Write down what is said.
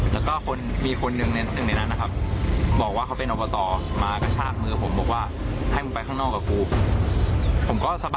และมีคนหนึ่งในนั้นนะครับ